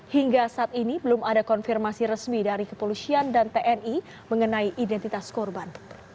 hingga saat ini belum ada konfirmasi resmi dari kepolisian dan tni mengenai identitas korban